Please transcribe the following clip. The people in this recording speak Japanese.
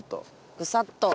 ぐさっと。